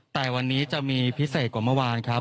แต่วันนี้จะมีพิเศษกว่าเมื่อวานครับ